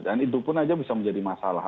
dan itu pun saja bisa menjadi masalah